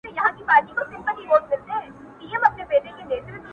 • لادي په برخه توري شپې نوري ,